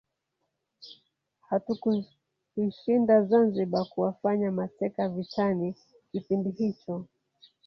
Hatukuishinda Zanzibar kuwafanya mateka vitani kipindi hicho